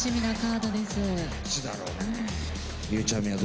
どっちだろうね。